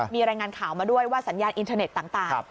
มีรายงานข่าวมาด้วยว่าสัญญาณอินเทอร์เน็ตต่าง